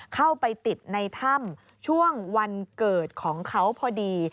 เข้าไปติดในถ้ำช่วงวันเกิดของเขาพอดี